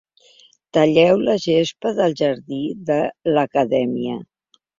Talleu la gespa del jardí de l'Acadèmia.